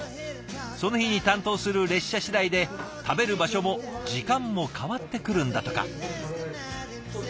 その日に担当する列車次第で食べる場所も時間も変わってくるんだとか。